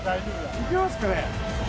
いけますかね？